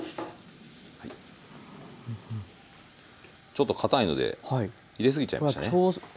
ちょっとかたいので入れ過ぎちゃいましたねハハッ。